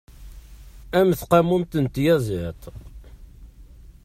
A mm tqamumt n tyaziḍt!